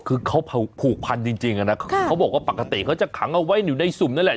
คือเขาผูกพันจริงนะเขาบอกว่าปกติเขาจะขังเอาไว้อยู่ในสุ่มนั่นแหละ